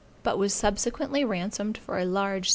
But was subsequently ransomed for a large sum.